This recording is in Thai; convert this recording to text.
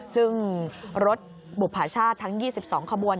ซึ่งรถบุภาชาติทั้ง๒๒ขบวน